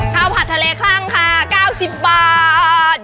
ผัดทะเลคลั่งค่ะ๙๐บาท